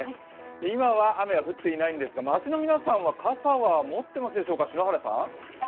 今は雨は降っていないんですが街の皆さんは傘は持っていますでしょうか？